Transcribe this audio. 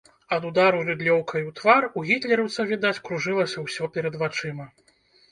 Ад удару рыдлёўкай у твар у гітлераўца, відаць, кружылася ўсё перад вачыма.